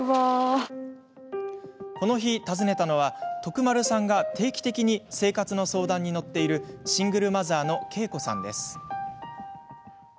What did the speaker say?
この日、訪ねたのは徳丸さんが定期的に生活の相談に乗っているシングルマザーのケイコさんです。